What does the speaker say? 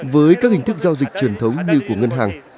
với các hình thức giao dịch truyền thống như của ngân hàng